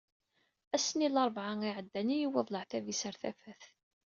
Ass-nni n larebɛa iɛeddan, i yewweḍ leɛtab-is ɣer tafat.